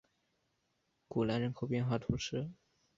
古兰人口变化图示